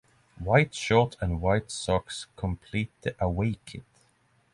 White short and white socks complete the away kit.